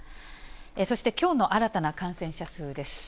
そして、きょうの新たな感染者数です。